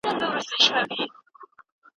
ایا ته د خپل لارښود په خبرو پوهېږې؟